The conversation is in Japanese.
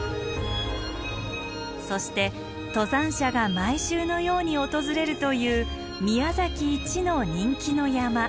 そして登山者が毎週のように訪れるという宮崎一の人気の山。